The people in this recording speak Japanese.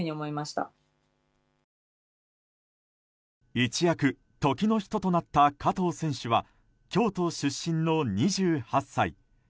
一躍、時の人となった加藤選手は京都出身の２８歳。